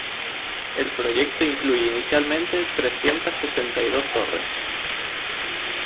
el proyecto incluye inicialmente trescientas sesenta y dos torres